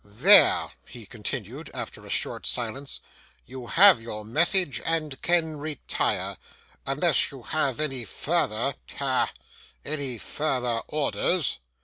'There,' he continued, after a short silence, 'you have your message and can retire unless you have any further ha! any further orders.